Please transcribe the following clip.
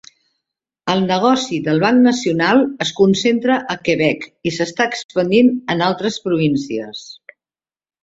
El negoci del Banc Nacional es concentra al Quebec i s'està expandint en altres províncies.